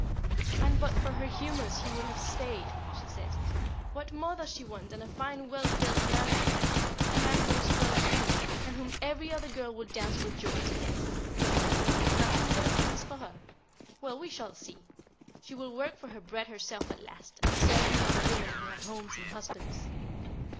"And but for her humors he would have stayed," she said. "What more does she want than a fine well built man like that a man who is well to do, and whom every other girl would dance for joy to get? But no; nothing but a prince for her. Well, we shall see. She will work for her bread herself at last, and serve the other women who have homes and husbands."